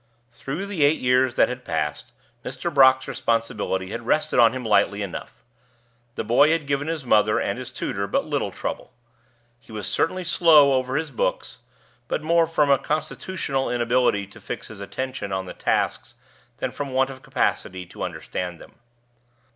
Through the eight years that had passed, Mr. Brock's responsibility had rested on him lightly enough. The boy had given his mother and his tutor but little trouble. He was certainly slow over his books, but more from a constitutional inability to fix his attention on his tasks than from want of capacity to understand them.